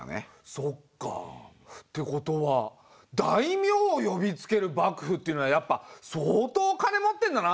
そっかってことは大名を呼びつける幕府っていうのはやっぱ相当金持ってんだな。